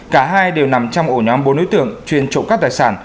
cả hai đều nằm trong hồi nhóm bốn đối tượng chuyên trộm cắp tài sản